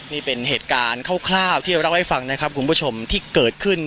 นี่เป็นเหตุการณ์คร่าวที่เราเล่าให้ฟังนะครับคุณผู้ชมที่เกิดขึ้น